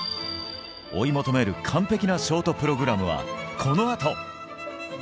追い求める完璧なショートプログラムは、この後。